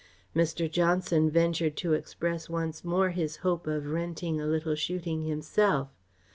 Mr. Johnson ventured to express once more his hope of renting a little shooting himself.